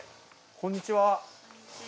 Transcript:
こんにちは。